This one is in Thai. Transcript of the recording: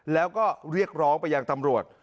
แล้วก็เรียกร้องไปยังตำรวจ